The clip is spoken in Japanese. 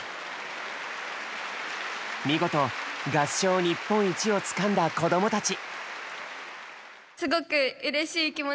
見事合唱日本一をつかんだ子供たち。